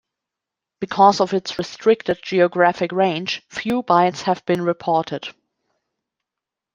Because of its restricted geographic range, few bites have been reported.